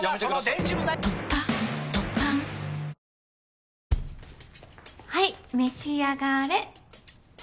「ビオレ」はい召し上がれ。